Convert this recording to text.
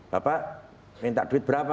bapak minta duit berapa lima ratus juta